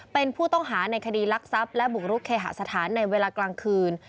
เป็นผู้ต้องหาในคดีรักทรัพย์และบุกรุกเคหสถานในเวลากลางคืน